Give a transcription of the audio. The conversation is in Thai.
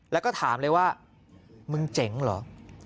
แล้วก็ถามเลยว่ามึงเจ๋งเหรอ